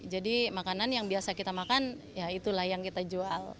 jadi makanan yang biasa kita makan ya itulah yang kita jual